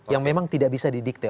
yang memang tidak bisa didiktel